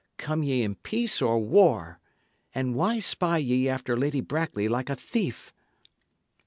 Come ye in peace or war? And why spy ye after Lady Brackley like a thief?"